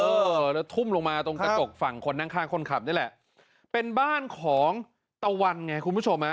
เออแล้วทุ่มลงมาตรงกระจกฝั่งคนนั่งข้างคนขับนี่แหละเป็นบ้านของตะวันไงคุณผู้ชมฮะ